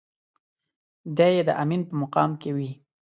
دی يې د امين په مقام کې وي.